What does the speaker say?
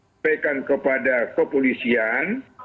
sampaikan kepada kepolisian